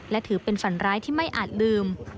และถือเป็นฝันร้ายที่ไม่อาจลืม